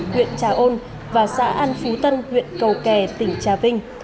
huyện trà ôn và xã an phú tân huyện cầu kè tỉnh trà vinh